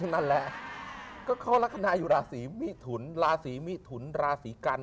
นั่นแหละก็เขาลักษณะอยู่ราศีมิถุนราศีมิถุนราศีกัน